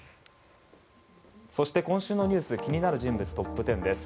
そして、今週のニュース気になる人物トップ１０です。